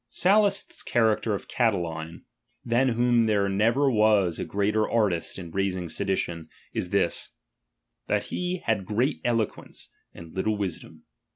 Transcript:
Sallust's character of CataUne, than whomEioTir "tliere never was a greater artist in raising sedi tions, is this : thai he had great eloquence, and''^ little ivisdom.